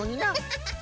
ハハハ！